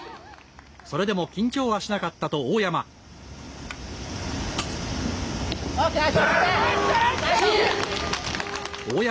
それでも緊張はしなかったと大山。